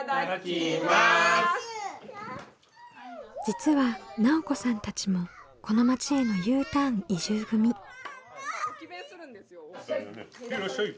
実は奈緒子さんたちもこの町へのＵターン移住組。へいらっしゃい！